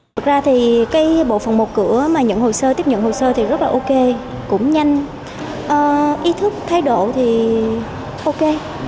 thực ra thì cái bộ phòng một cửa mà nhận hồ sơ tiếp nhận hồ sơ thì rất là ok cũng nhanh ý thức thay đổi thì ok